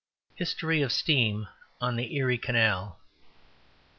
HISTORY OF STEAM ON THE ERIE CANAL.